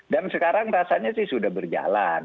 dan sekarang rasanya sudah berjalan